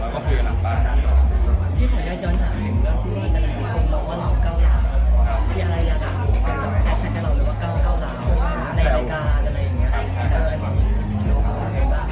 ไม่เยาทริก